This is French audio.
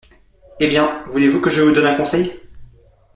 Eh bien, voulez-vous que je vous donne un conseil ?